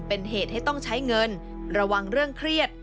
เป็นเหตุให้ต้องใช้เงินระวังเรื่องเครียด